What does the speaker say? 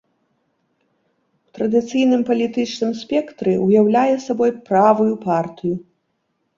У традыцыйным палітычным спектры ўяўляе сабой правую партыю.